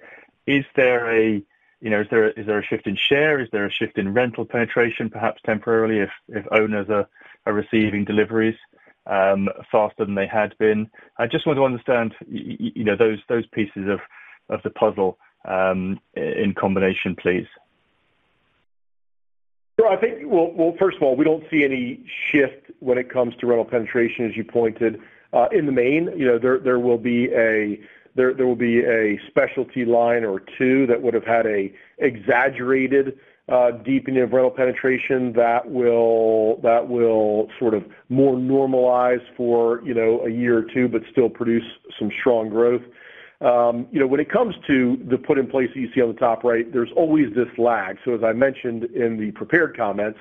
Is there a shift in share? Is there a shift in rental penetration, perhaps temporarily, if owners are receiving deliveries faster than they had been? I just want to understand those pieces of the puzzle in combination, please. Sure. I think, well, first of all, we don't see any shift when it comes to rental penetration, as you pointed. In the main, there will be a specialty line or two that would have had an exaggerated deepening of rental penetration that will sort of more normalize for a year or two but still produce some strong growth. When it comes to the put-in-place that you see on the top right, there's always this lag. So as I mentioned in the prepared comments,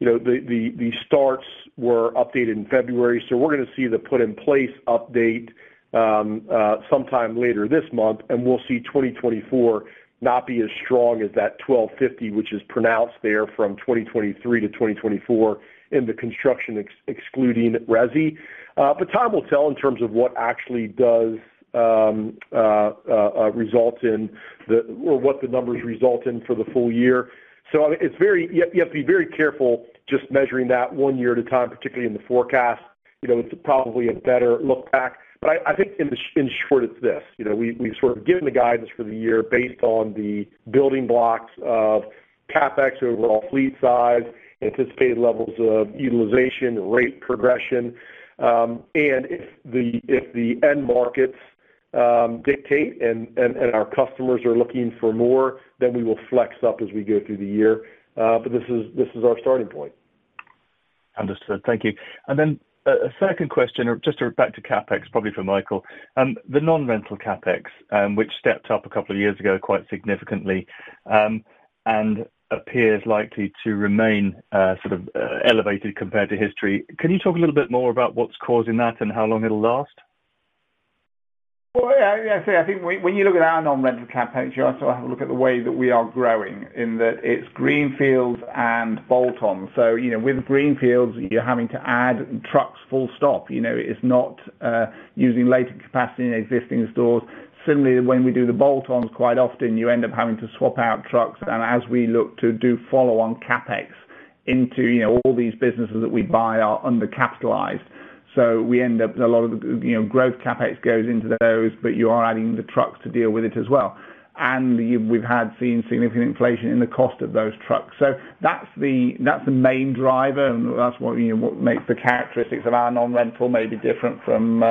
the starts were updated in February. So we're going to see the put-in-place update sometime later this month. We'll see 2024 not be as strong as that 1,250, which is pronounced there from 2023 to 2024 in the construction excluding resi. But time will tell in terms of what actually does result in the or what the numbers result in for the full year. So you have to be very careful just measuring that one year at a time, particularly in the forecast. It's probably a better look back. But I think in short, it's this. We've sort of given the guidance for the year based on the building blocks of CapEx, overall fleet size, anticipated levels of utilization, rate progression. And if the end markets dictate and our customers are looking for more, then we will flex up as we go through the year. But this is our starting point. Understood. Thank you. And then a second question, just back to CapEx, probably for Michael. The non-rental CapEx, which stepped up a couple of years ago quite significantly and appears likely to remain sort of elevated compared to history, can you talk a little bit more about what's causing that and how long it'll last? Well, yeah. I think when you look at our non-rental CapEx, you also have a look at the way that we are growing in that it's greenfields and bolt-ons. So with greenfields, you're having to add trucks, full stop. It's not using latent capacity in existing stores. Similarly, when we do the bolt-ons, quite often, you end up having to swap out trucks. And as we look to do follow-on CapEx into all these businesses that we buy, are undercapitalized. So a lot of the growth CapEx goes into those, but you are adding the trucks to deal with it as well. And we've seen significant inflation in the cost of those trucks. So that's the main driver. And that's what makes the characteristics of our non-rental may be different from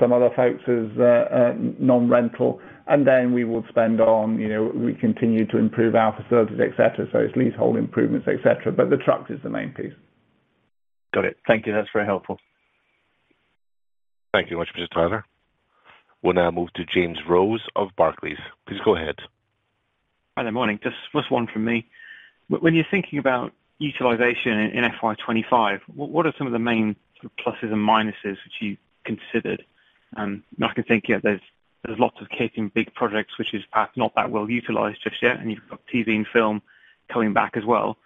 some other folks' non-rental. And then we would spend on we continue to improve our facilities, etc. It's leasehold improvements, etc. But the truck is the main piece. Got it. Thank you. That's very helpful. Thank you very much, Mr. Tyler. We'll now move to James Rose of Barclays. Please go ahead. Hi. Good morning. Just one from me. When you're thinking about utilization in FY25, what are some of the main sort of pluses and minuses which you considered? And I can think, yeah, there's lots of kit in big projects which is perhaps not that well utilized just yet. And you've got TV and film coming back as well.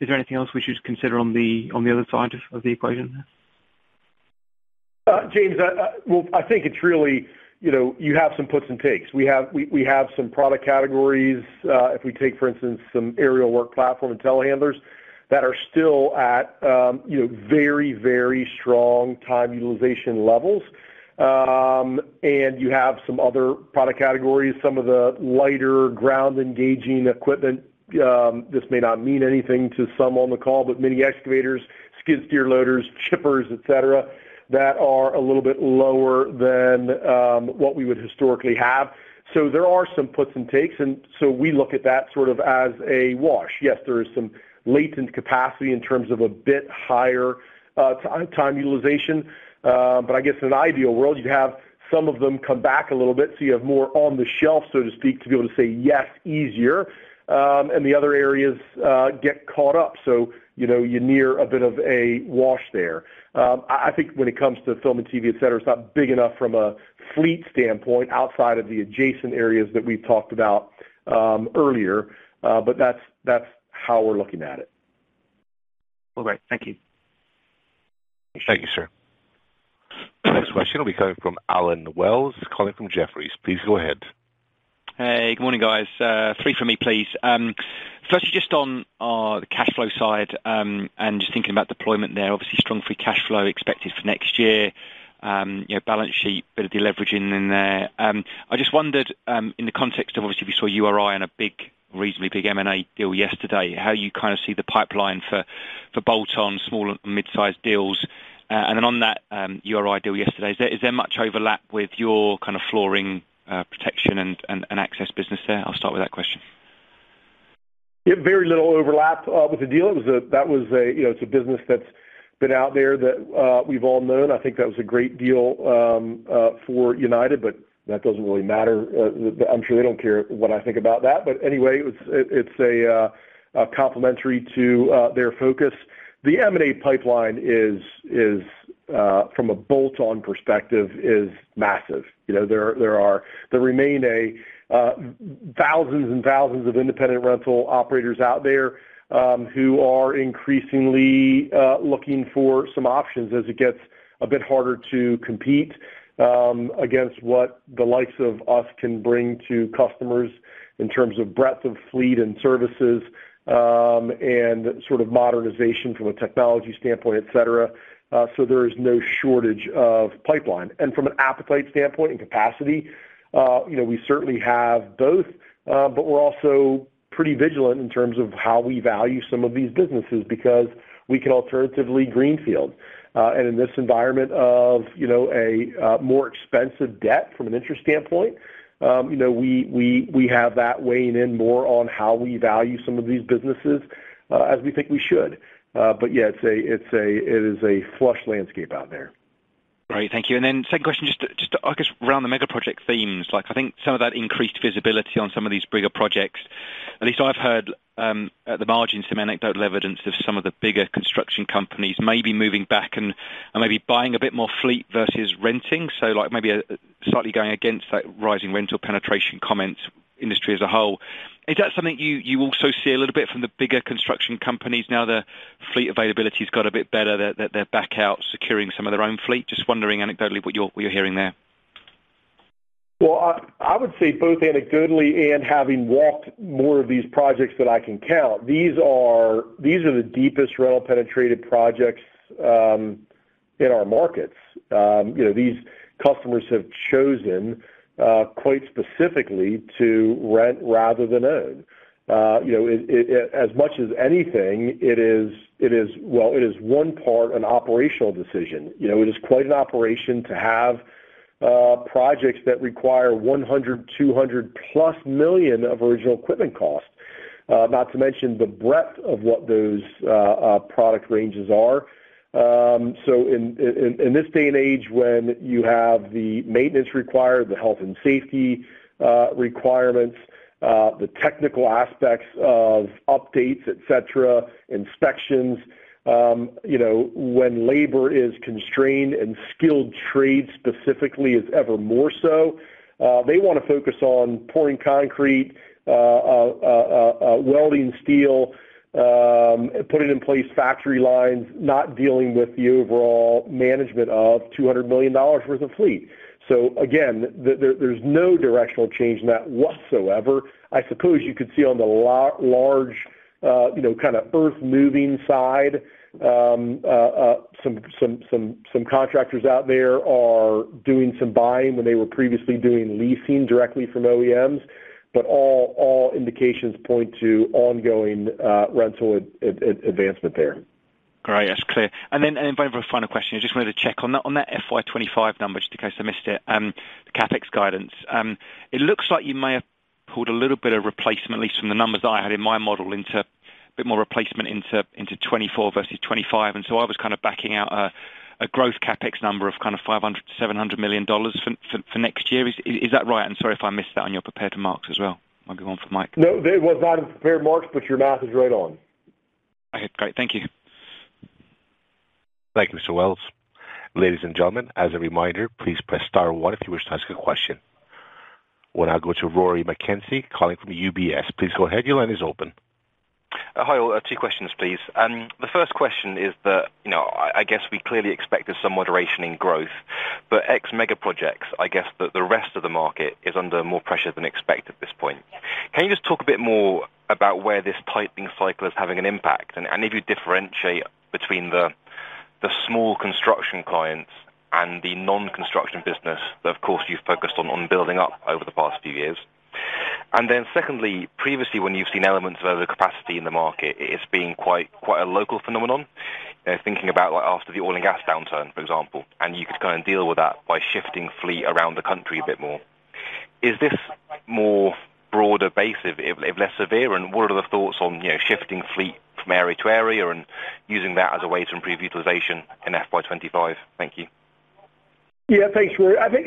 Is there anything else we should consider on the other side of the equation? James, well, I think it's really you have some puts and takes. We have some product categories. If we take, for instance, some aerial work platform and telehandlers that are still at very, very strong time utilization levels. And you have some other product categories, some of the lighter ground-engaging equipment. This may not mean anything to some on the call, but mini excavators, skid steer loaders, chippers, etc., that are a little bit lower than what we would historically have. So there are some puts and takes. And so we look at that sort of as a wash. Yes, there is some latent capacity in terms of a bit higher time utilization. But I guess in an ideal world, you'd have some of them come back a little bit. So you have more on the shelf, so to speak, to be able to say, "Yes, easier." And the other areas get caught up. So you near a bit of a wash there. I think when it comes to film and TV, etc., it's not big enough from a fleet standpoint outside of the adjacent areas that we've talked about earlier. But that's how we're looking at it. All right. Thank you. Thank you, sir. Next question. It'll be coming from Allen Wells calling from Jefferies. Please go ahead. Hey. Good morning, guys. Three from me, please. Firstly, just on the cash flow side and just thinking about deployment there, obviously strong free cash flow expected for next year, balance sheet, bit of deleveraging in there. I just wondered in the context of obviously we saw URI and a reasonably big M&A deal yesterday, how you kind of see the pipeline for bolt-on, small and midsize deals. And then on that URI deal yesterday, is there much overlap with your kind of flooring protection and access business there? I'll start with that question. Yeah. Very little overlap with the deal. That was. It's a business that's been out there that we've all known. I think that was a great deal for United, but that doesn't really matter. I'm sure they don't care what I think about that. But anyway, it's a complementary to their focus. The M&A pipeline from a bolt-on perspective is massive. There remain thousands and thousands of independent rental operators out there who are increasingly looking for some options as it gets a bit harder to compete against what the likes of us can bring to customers in terms of breadth of fleet and services and sort of modernization from a technology standpoint, etc. So there is no shortage of pipeline. And from an appetite standpoint and capacity, we certainly have both. But we're also pretty vigilant in terms of how we value some of these businesses because we can alternatively greenfield. And in this environment of a more expensive debt from an interest standpoint, we have that weighing in more on how we value some of these businesses as we think we should. But yeah, it is a flush landscape out there. Right. Thank you. And then second question, just to I guess around the megaproject themes, I think some of that increased visibility on some of these bigger projects, at least I've heard at the margins some anecdotal evidence of some of the bigger construction companies maybe moving back and maybe buying a bit more fleet versus renting. So maybe slightly going against that rising rental penetration comments, industry as a whole. Is that something you also see a little bit from the bigger construction companies now that fleet availability's got a bit better, that they're back out securing some of their own fleet? Just wondering anecdotally what you're hearing there. Well, I would say both anecdotally and having walked more of these projects than I can count, these are the deepest rental-penetrated projects in our markets. These customers have chosen quite specifically to rent rather than own. As much as anything, it is well, it is one part an operational decision. It is quite an operation to have projects that require $100-$200+ million of original equipment cost, not to mention the breadth of what those product ranges are. So in this day and age when you have the maintenance required, the health and safety requirements, the technical aspects of updates, etc., inspections, when labor is constrained and skilled trade specifically is ever more so, they want to focus on pouring concrete, welding steel, putting in place factory lines, not dealing with the overall management of $200 million worth of fleet. So again, there's no directional change in that whatsoever. I suppose you could see on the large kind of earth-moving side, some contractors out there are doing some buying when they were previously doing leasing directly from OEMs. But all indications point to ongoing rental advancement there. All right. That's clear. And then, final question. I just wanted to check on that FY25 number just in case I missed it, the CapEx guidance. It looks like you may have pulled a little bit of replacement, at least from the numbers that I had in my model, into a bit more replacement into 2024 versus 2025. And so I was kind of backing out a growth CapEx number of kind of $700 million for next year. Is that right? And sorry if I missed that on your prepared remarks as well. Might be one for Mike. No. It was not in the prepared remarks, but your math is right on. Okay. Great. Thank you. Thank you, Mr. Wells. Ladies and gentlemen, as a reminder, please press star one if you wish to ask a question. We'll now go to Rory McKenzie calling from UBS. Please go ahead. Your line is open. Hi. Two questions, please. The first question is that I guess we clearly expected some moderation in growth. But ex-megaprojects, I guess that the rest of the market is under more pressure than expected at this point. Can you just talk a bit more about where this tightening cycle is having an impact and if you differentiate between the small construction clients and the non-construction business that, of course, you've focused on building up over the past few years? And then secondly, previously, when you've seen elements of overcapacity in the market, it's been quite a local phenomenon, thinking about after the oil and gas downturn, for example. And you could kind of deal with that by shifting fleet around the country a bit more. Is this more broad-based, if less severe? What are the thoughts on shifting fleet from area to area and using that as a way to improve utilization in FY25? Thank you. Yeah. Thanks, Rory. I think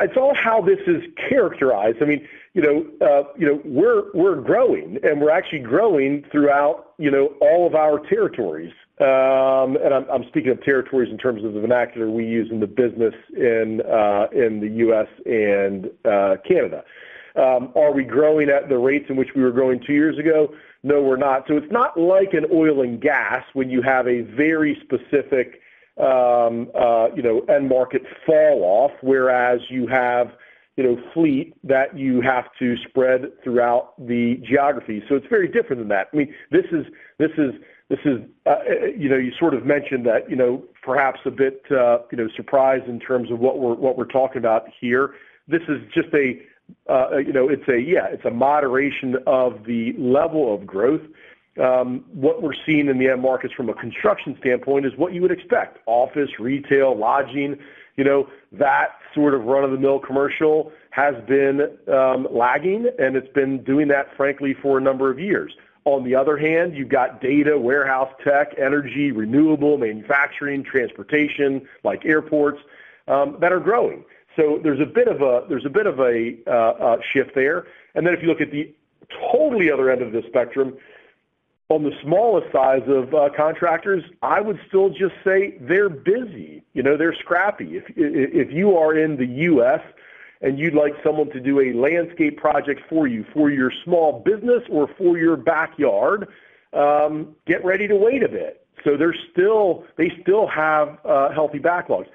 it's all how this is characterized. I mean, we're growing. And we're actually growing throughout all of our territories. And I'm speaking of territories in terms of the vernacular we use in the business in the US and Canada. Are we growing at the rates in which we were growing two years ago? No, we're not. So it's not like in oil and gas when you have a very specific end-market fall-off whereas you have fleet that you have to spread throughout the geography. So it's very different than that. I mean, this is you sort of mentioned that perhaps a bit surprised in terms of what we're talking about here. This is just a yeah. It's a moderation of the level of growth. What we're seeing in the end markets from a construction standpoint is what you would expect, office, retail, lodging. That sort of run-of-the-mill commercial has been lagging. And it's been doing that, frankly, for a number of years. On the other hand, you've got data, warehouse tech, energy, renewable, manufacturing, transportation like airports that are growing. So there's a bit of a shift there. And then if you look at the totally other end of the spectrum, on the smallest size of contractors, I would still just say they're busy. They're scrappy. If you are in the U.S. and you'd like someone to do a landscape project for you, for your small business or for your backyard, get ready to wait a bit. So they still have healthy backlogs.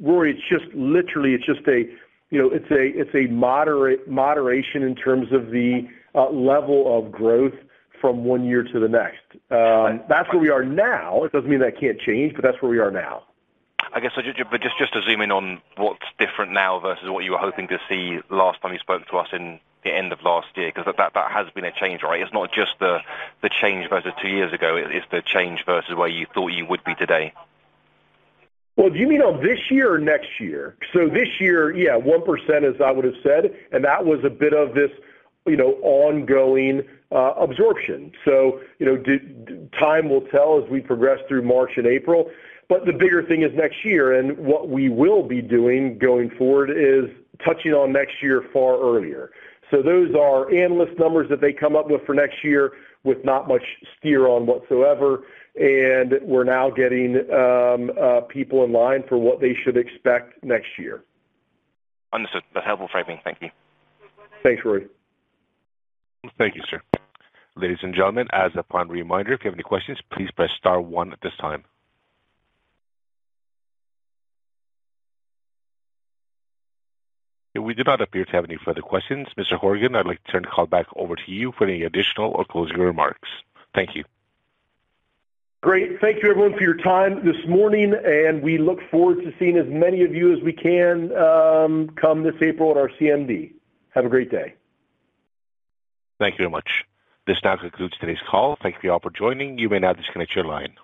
Rory, it's just literally a moderation in terms of the level of growth from one year to the next. That's where we are now. It doesn't mean that can't change, but that's where we are now. I guess, but just to zoom in on what's different now versus what you were hoping to see last time you spoke to us in the end of last year because that has been a change, right? It's not just the change versus two years ago. It's the change versus where you thought you would be today. Well, do you mean on this year or next year? So this year, yeah, 1% as I would have said. And that was a bit of this ongoing absorption. So time will tell as we progress through March and April. But the bigger thing is next year. And what we will be doing going forward is touching on next year far earlier. So those are analyst numbers that they come up with for next year with not much steer on whatsoever. And we're now getting people in line for what they should expect next year. Understood. That's helpful framing. Thank you. Thanks, Rory. Thank you, sir. Ladies and gentlemen, as a final reminder, if you have any questions, please press star one at this time. We do not appear to have any further questions. Mr. Horgan, I'd like to turn the call back over to you for any additional or closing remarks. Thank you. Great. Thank you, everyone, for your time this morning. We look forward to seeing as many of you as we can come this April at our CMD. Have a great day. Thank you very much. This now concludes today's call. Thank you all for joining. You may now disconnect your line.